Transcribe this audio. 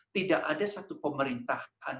tidak ada satu pemerintahan